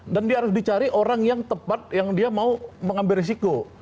dan dia harus dicari orang yang tepat yang dia mau mengambil risiko